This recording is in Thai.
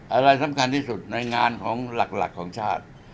อะไรสำคัญที่สุดในงานของหลักของชาติ